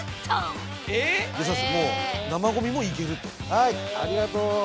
はいありがとう。